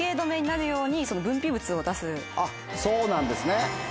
そうなんですね。